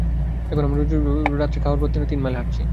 এখন আমি রোজ রাত্রে খাওয়ার পর তিন মাইল হাঁটছি।